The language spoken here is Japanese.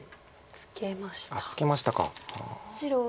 ツケましたかああ。